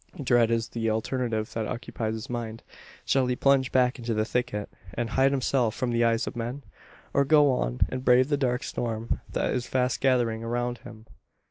Dread is the alternative that occupies his mind. Shall he plunge back into the thicket, and hide himself from the eyes of men? Or go on and brave the dark storm that is fast gathering around him?